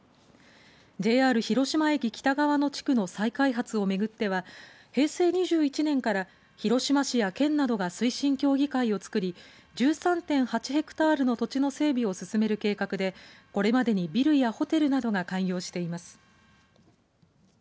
ＪＲ広島駅北側の地区の再開発をめぐっては平成２１年から広島市や県などが推進協議会を作り１３．８ヘクタールの土地の整備を進める計画でこれまでにビルやホテルなどが開業しています。